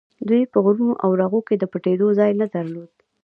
دوی به په غرونو او راغو کې د پټېدو ځای نه درلود.